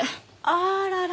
あらら。